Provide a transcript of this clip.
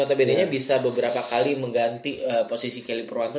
nota bd nya bisa beberapa kali mengganti posisi kelly purwanto